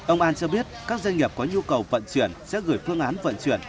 ông an cho biết các doanh nghiệp có nhu cầu vận chuyển sẽ gửi phương án vận chuyển